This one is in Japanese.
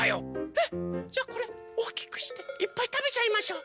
えっ⁉じゃあこれおおきくしていっぱいたべちゃいましょう。